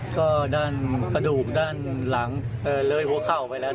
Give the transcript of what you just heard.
ก็ด้านกระดูกด้านหลังเลยหัวเข่าไปแล้ว